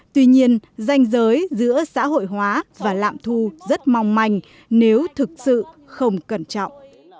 tuy nhiên danh giới giữa xã hội hóa và lạm thu rất mong manh nếu thực sự không cẩn trọng